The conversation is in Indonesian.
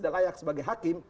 kayak sebagai hakim